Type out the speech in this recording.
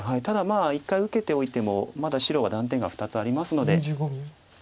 ただ一回受けておいてもまだ白は断点が２つありますので。